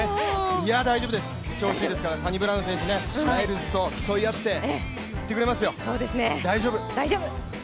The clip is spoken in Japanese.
いや、大丈夫です、調子いいですからサニブラウン選手ライルズと競い合って、いってくれますよ、大丈夫！